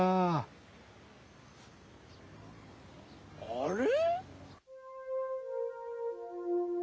あれ？